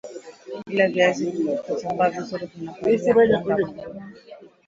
ili viazi kutambaa vizuri vinapaliliwa kuondoa magugu